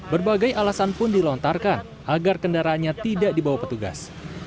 berbagai alasan pun dilontarkan agar kendaraannya tidak dibawa petugas